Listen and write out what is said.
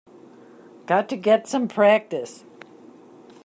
Got to get some practice.